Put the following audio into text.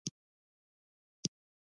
سوداګر د ملاکا پاچا کېدای شي.